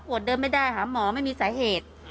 เดินไม่ได้หาหมอไม่มีสาเหตุ